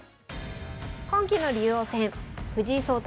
今期の竜王戦藤井聡太